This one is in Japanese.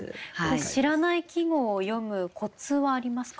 知らない季語を詠むコツはありますか？